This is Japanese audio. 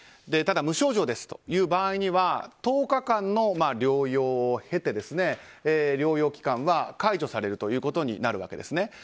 ただ、無症状ですという場合には１０日間の療養を経て療養期間は解除されるということになるわけです。